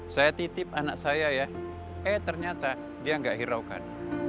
saya titip anak saya ya eh ternyata dia nggak hiraukan